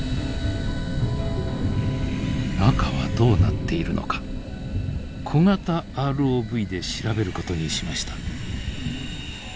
中はどうなっているのか小型ＲＯＶで調べることにしました。